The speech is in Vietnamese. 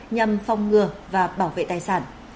nhằm phòng ngừa và bảo vệ tài sản